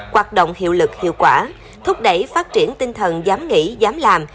hoạt động hiệu lực hiệu quả thúc đẩy phát triển tinh thần dám nghĩ dám làm